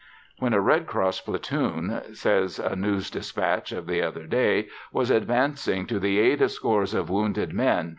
"When a Red Cross platoon," says a news despatch of the other day, "was advancing to the aid of scores of wounded men.